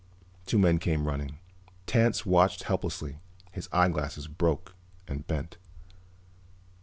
Two men came running. Tance watched helplessly, his eyeglasses broken and bent.